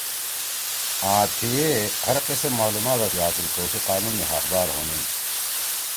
آں تھیے ہرقسم معلومات اسی حاصل کؤ سی قانون می حقدار ھو ینِن۔